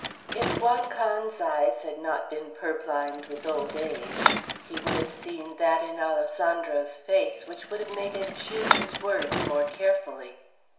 If Juan Can's eyes had not been purblind with old age, he would have seen that in Alessandro's face which would have made him choose his words more carefully.